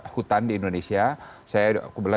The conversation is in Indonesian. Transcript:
hutan di indonesia saya